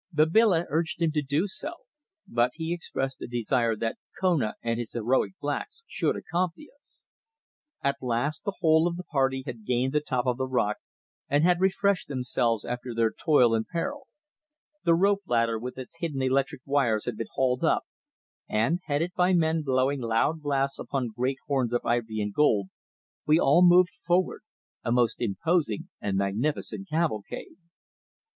Babila urged him to do so, but he expressed a desire that Kona and his heroic blacks should accompany us. At last the whole of the party had gained the top of the rock and had refreshed themselves after their toil and peril; the rope ladder with its hidden electric wires had been hauled up, and, headed by men blowing loud blasts upon great horns of ivory and gold, we all moved forward, a most imposing and magnificent cavalcade.